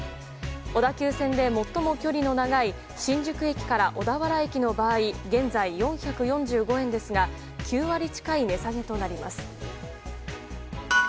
小田急線で最も距離の長い新宿駅から小田原駅の場合現在４４５円ですが９割近い値下げとなります。